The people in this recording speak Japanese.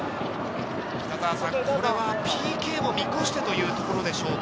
これはＰＫも見越してというところでしょうか？